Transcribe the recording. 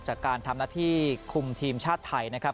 จากการทำหน้าที่คุมทีมชาติไทยนะครับ